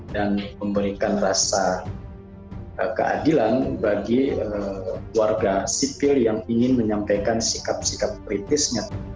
dan memberikan rasa keadilan bagi warga sipil yang ingin menyampaikan sikap sikap kritisnya